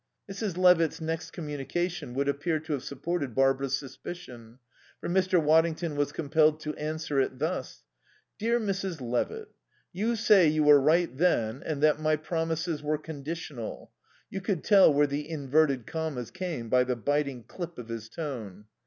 Mrs. Levitt's next communication would appear to have supported Barbara's suspicion, for Mr. Waddington was compelled to answer it thus: "DEAR MRS. LEVITT: "You say you were 'right then' and that my 'promises' were 'conditional'" (You could tell where the inverted commas came by the biting clip of his tone.)